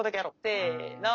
せの。